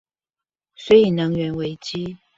所以能源危機